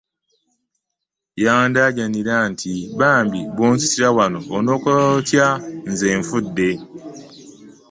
Yandaajanira nti, "bambi bw'onzitira wano, onookola otya nze nfudde."